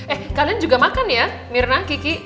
eh kalian juga makan ya mirna kiki